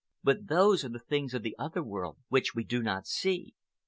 But those are the things of the other world which we do not see.